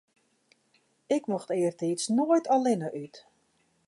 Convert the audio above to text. Ik mocht eartiids noait allinne út.